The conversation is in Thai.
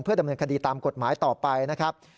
ดำเนินคดีตามกฎหมายต่อไปนะครับ